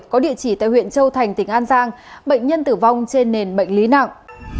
có địa chỉ tại huyện châu thành tỉnh an giang bệnh nhân tử vong trên nền bệnh lý nặng